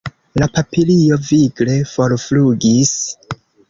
La papilio vigle forflugis.